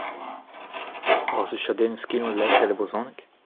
War-zu chadennoù skinwel lecʼhel e brezhoneg ?